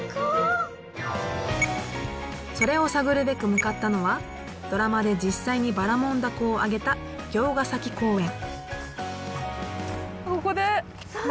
それを探るべく向かったのはドラマで実際にばらもん凧をあげた魚津ヶ崎公園。